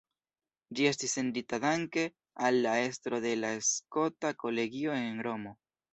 Ĝi estis sendita danke al la estro de la Skota Kolegio en Romo.